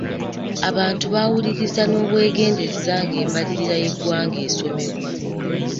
Abantu baawuliriza n'obwegenddereza ng'embalirira y'eggwanga esomebwa.